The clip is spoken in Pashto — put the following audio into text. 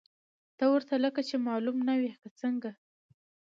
ته ورته لکه چې معلوم نه وې، که څنګه؟